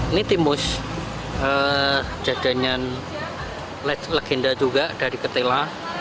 ini timus jadanya legenda juga dari ketela